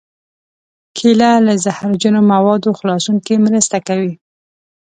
کېله له زهرجنو موادو خلاصون کې مرسته کوي.